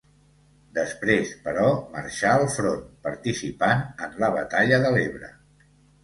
Després, però, marxà al front, participant en la batalla de l'Ebre.